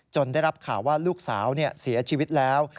ได้รับข่าวว่าลูกสาวเสียชีวิตแล้ว